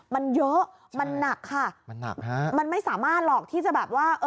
มันเยอะมันหนักค่ะมันหนักฮะมันไม่สามารถหรอกที่จะแบบว่า